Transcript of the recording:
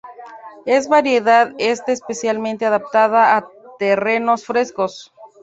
Esta variedad está especialmente adaptada a terrenos frescos.